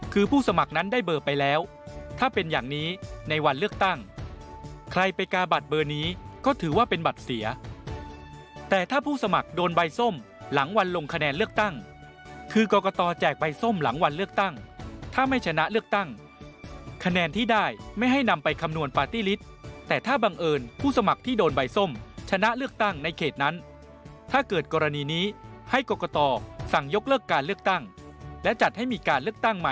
คือผู้สมัครนั้นได้เบอร์ไปแล้วถ้าเป็นอย่างนี้ในวันเลือกตั้งใครไปกาบัตรเบอร์นี้ก็ถือว่าเป็นบัตรเสียแต่ถ้าผู้สมัครโดนใบส้มหลังวันลงคะแนนเลือกตั้งคือกรกตแจกใบส้มหลังวันเลือกตั้งถ้าไม่ชนะเลือกตั้งคะแนนที่ได้ไม่ให้นำไปคำนวณปาร์ตี้ฤทธิ์แต่ถ้าบังเอิญผู้สมัครที่โดนใบส้มชนะเลือกต